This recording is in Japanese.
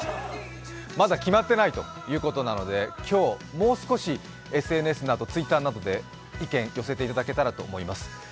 まだ決まっていないということなので今日、もう少しＳＮＳなどＴｗｉｔｔｅｒなどで意見寄せていただけたらと思います。